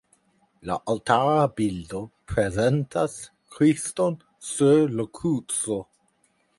La altara bildo prezentas Kriston sur la kruco.